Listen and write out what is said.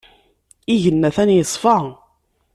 Igenni atan yeṣfa.